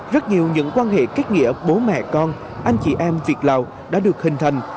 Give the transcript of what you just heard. rất nhiều những quan hệ kết nghĩa bố mẹ con anh chị em việt lào đã được hình thành